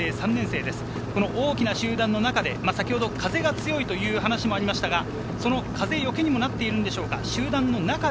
大きな集団の中で風が強いという話がありましたが、風よけになっているのでしょうか。